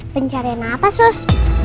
pencarian apa sus